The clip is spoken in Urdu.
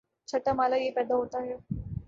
چھٹا مألہ یہ پیدا ہوتا ہے